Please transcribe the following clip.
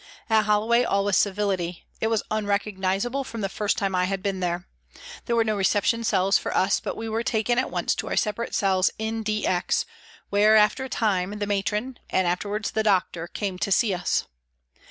At Holloway all was civility ; it was unrecognis able from the first time I had been there. There were no reception cells for us, but we were taken at once to our separate cells in D X, where, after a time the Matron, and afterwards the doctor came to see us.